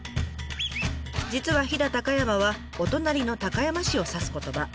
実は「飛騨高山」はお隣の高山市を指す言葉。